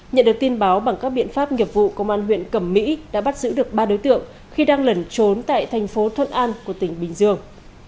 nhận được tin báo bằng các biện pháp nghiệp vụ công an huyện cẩm mỹ đã bắt giữ được ba đối tượng khi đang lẩn trốn tại thành phố thuận an của tỉnh bình dương